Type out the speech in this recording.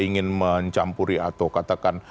ingin mencampuri atau katakan